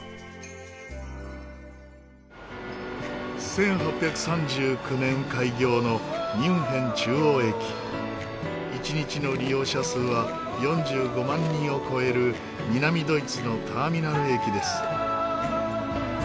１８３９年開業の一日の利用者数は４５万人を超える南ドイツのターミナル駅です。